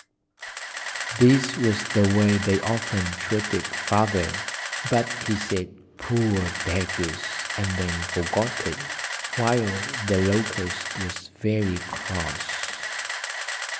This was the way they often treated Father, but he said "Poor beggars!" and then forgot it, while the Locust was very cross.